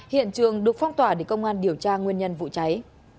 hiện trường được phong tỏa để công an điều tra nguyên nhân vụ cháy